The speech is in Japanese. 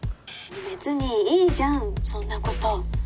「別にいいじゃんそんな事」